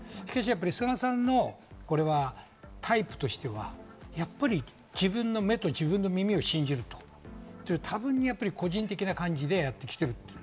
菅さんのタイプとしては、やっぱり自分の目と耳を信じると多分に個人的な感じでやってきている。